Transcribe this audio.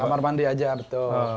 kamar mandi aja betul